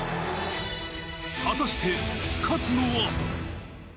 果たして、勝つのは？